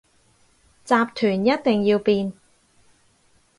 集團一定要變